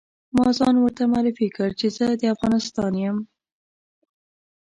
ما ځان ورته معرفي کړ چې زه د افغانستان یم.